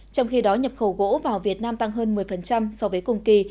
trong khi đó nhập khẩu gỗ vào việt nam tăng hơn một mươi so với cùng kỳ